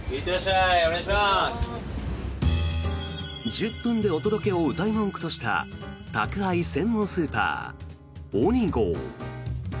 １０分でお届けをうたい文句とした宅配専門スーパー、ＯｎｉＧＯ。